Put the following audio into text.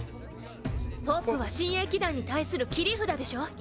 ポップは親衛騎団に対する切り札でしょ。